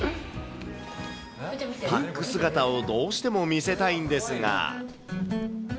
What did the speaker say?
パック姿をどうしても見せたいんですが。